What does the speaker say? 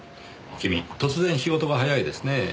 君突然仕事が速いですねぇ。